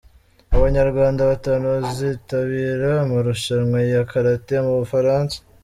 Abanyarwanda batanu bazitabira amarushanwa ya Karate mu Bufaransa